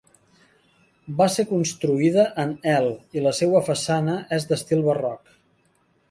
Va ser construïda en el i la seua façana és d'estil barroc.